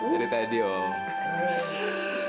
jadi tadi om